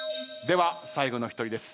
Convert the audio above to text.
最後の１人です。